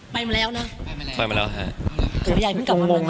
ไปมาแล้วนะไปมาแล้วตัวใหญ่ก็ไม่ต้องงงนะ